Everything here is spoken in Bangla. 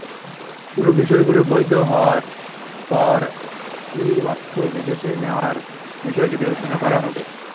পুরো বিষয়গুলো বৈধ হওয়ার পরই অর্থ বিদেশে নেওয়ার বিষয়টি বিবেচনা করা হবে।